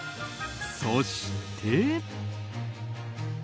そして。